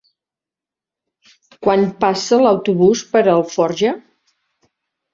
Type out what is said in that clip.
Quan passa l'autobús per Alforja?